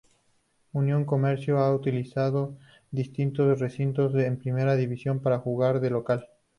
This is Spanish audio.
Unión Comercio ha utilizado distintos recintos en Primera División para jugar de local.